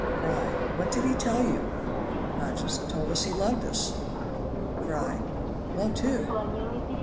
Fry. What did he tell you? Hodges. Told us he loved us. Fry. Loved who?